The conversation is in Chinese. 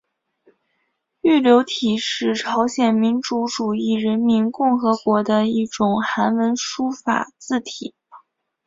玉流体是朝鲜民主主义人民共和国的一种韩文书法字体。